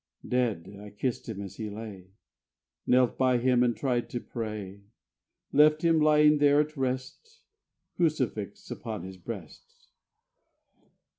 Dead I kissed him as he lay, Knelt by him and tried to pray; Left him lying there at rest, Crucifix upon his breast.